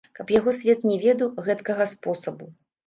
Каб яго свет не ведаў, гэткага спосабу!